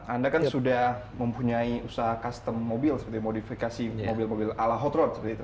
anda kan sudah mempunyai usaha custom mobil modifikasi mobil mobil ala hot rod